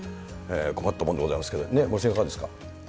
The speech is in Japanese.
困ったもんでございますけれども、森さんいかがですか。